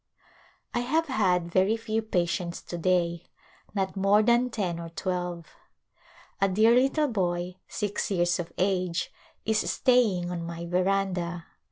I have had very few patients to day — not more than ten or twelve. A dear little boy, six years of age, is staying on my veranda.